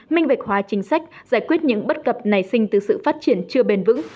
minh vệ khóa chính sách giải quyết những bất cập nảy sinh từ sự phát triển chưa bền vững